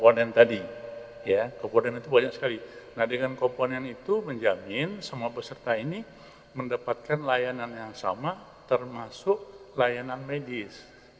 nah dengan komponen itu menjamin semua peserta ini mendapatkan layanan yang sama termasuk layanan medis